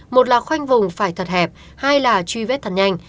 một là khoanh vùng phải thật hẹp hai là truy vết thật nhanh